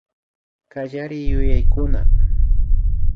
Kallariyuyaykuna